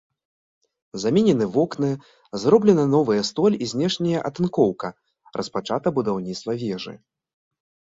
Заменены вокны, зроблена новая столь і знешняя атынкоўка, распачата будаўніцтва вежы.